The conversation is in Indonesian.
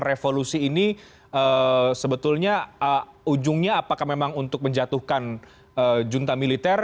revolusi ini sebetulnya ujungnya apakah memang untuk menjatuhkan junta militer